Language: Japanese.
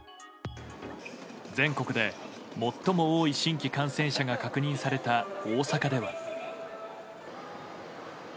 全国で最も多い新規感染者が確認された大阪では。